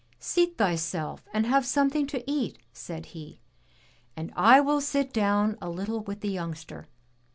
"Seat thyself and have something to eat," said he, "and I will sit down a little with the youngster.